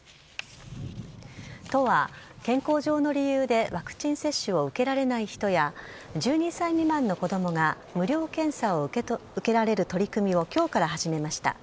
都は、健康上の理由でワクチン接種を受けられない人や１２歳未満の子供が無料検査を受けられる取り組みを今日から始めました。